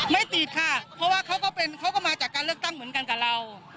ไม่ติดค่ะเพราะว่าเขาก็เป็นเขาก็มาจากการเลือกตั้งเหมือนกันกับเรา